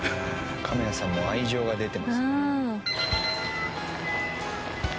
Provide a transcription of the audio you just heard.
亀谷さんの愛情が出てますね。